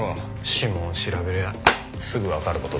指紋を調べりゃすぐわかる事だ。